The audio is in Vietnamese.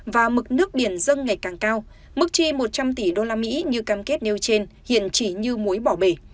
và mực nước biển dâng ngày càng cao mức chi một trăm linh tỷ usd như cam kết nêu trên hiện chỉ như muối bỏ bể